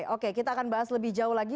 oke kita akan bahas lebih jauh lagi